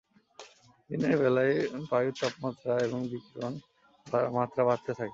দিনের বেলায় বায়ুর তাপমাত্রা এবং বিকিরণ মাত্রা বাড়তে থাকে।